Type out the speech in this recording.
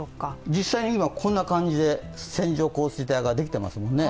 実際に今、こんな感じで線状降水帯ができていますもんね。